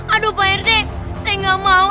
aduh pak rete saya gak mau